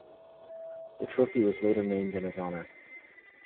The trophy was later named in his honour.